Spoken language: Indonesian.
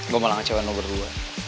gue malah ngecewek lo berdua